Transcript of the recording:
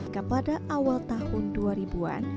kepada awal tahun dua ribu an